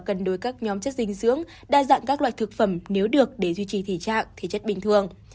uống bình thường với các nhóm chất dinh dưỡng đa dạng các loại thực phẩm nếu được để duy trì thể trạng thể chất bình thường